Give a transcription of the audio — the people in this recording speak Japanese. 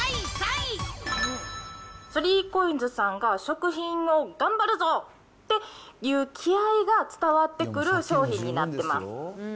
３コインズさんが、食品を頑張るぞ！という気合いが伝わってくる商品になってます。